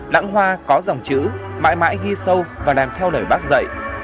lãng hoa có dòng chữ mãi mãi ghi sâu và làm theo lời bác dạy